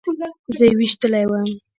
زه يې ويشتلى وم.